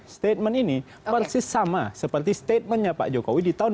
statement ini persis sama seperti statementnya pak jokowi di tahun dua ribu dua puluh